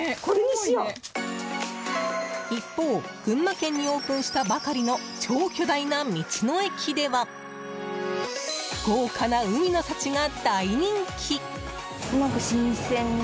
一方、群馬県にオープンしたばかりの超巨大な道の駅では豪華な海の幸が、大人気。